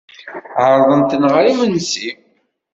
Ɛerḍen-ten ɣer yimensi.